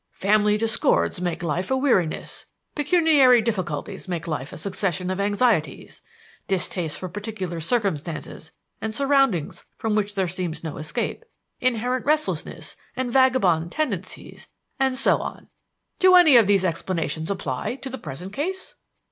Family discords that make life a weariness; pecuniary difficulties that make life a succession of anxieties; distaste for particular circumstances and surroundings from which there seems no escape; inherent restlessness and vagabond tendencies, and so on. "Do any of these explanations apply to the present case?